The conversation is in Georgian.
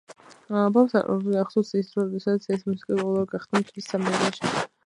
ბობს კარგად ახსოვს ის დრო, როდესაც ეს მუსიკა პოპულარული გახდა მთელს ამერიკაში.